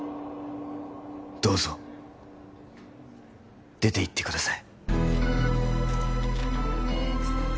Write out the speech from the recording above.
どうぞ出ていってください